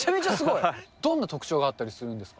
どんな特徴があったりするんですか。